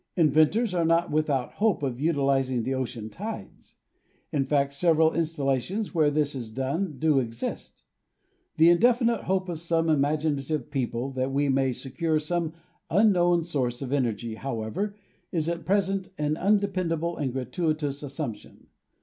Inventors are not with out hope of utilizing the ocean tides; in fact, several in stallations where this is done do exist. The indefinite hope of some imaginative people that we may secure some unknown source of energy, however, is at present an undependable and gratuitous assumption.